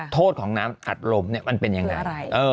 โทษของน้ำอัดลมมันเป็นยังไง